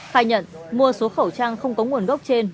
khai nhận mua số khẩu trang không có nguồn gốc trên